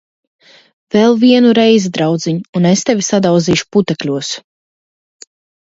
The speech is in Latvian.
Vēl vienu reizi, draudziņ, un es tevi sadauzīšu putekļos!